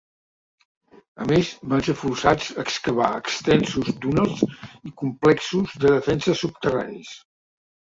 A més van ser forçats a excavar extensos túnels i complexos de defensa subterranis.